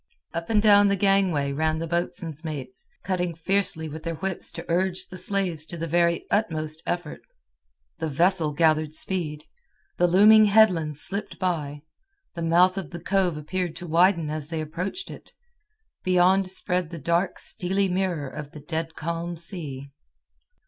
Up and down the gangway ran the boatswain's mates, cutting fiercely with their whips to urge the slaves to the very utmost effort. The vessel gathered speed. The looming headland slipped by. The mouth of the cove appeared to widen as they approached it. Beyond spread the dark steely mirror of the dead calm sea.